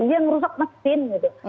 dia merusak mesin gitu